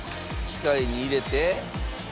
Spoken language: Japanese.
機械に入れて。